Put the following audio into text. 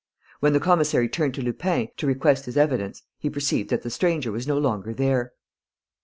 When the commissary turned to Lupin, to request his evidence, he perceived that the stranger was no longer there.